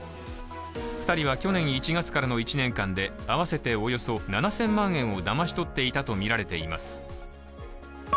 ２人は去年１月からの１年間で合わせておよそ７０００万円をだまし取っていたとみられています。